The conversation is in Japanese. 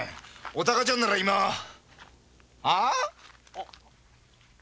お孝ちゃんなら今あっ！？